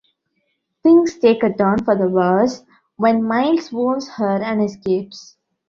Things take a turn for the worse when Miles wounds her and escapes.